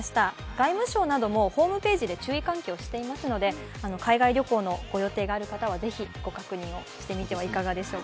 外務省などもホームページで注意喚起をしていますので、海外旅行のご予定のある方はぜひご確認をしてみてはいかがでしょうか。